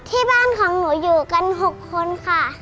ที่บ้านของหนูอยู่กัน๖คนค่ะ